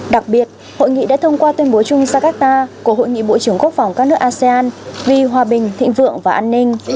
đặc biệt hội nghị đã thông qua tuyên bố chung jakarta của hội nghị bộ trưởng quốc phòng các nước asean vì hòa bình thịnh vượng và an ninh